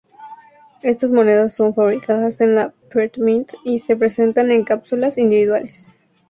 Estas monedas son fabricadas en la Perth Mint y se presentan en cápsulas individuales.